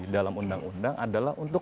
dalam undang undang adalah untuk